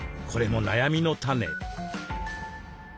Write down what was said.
これも悩みの種。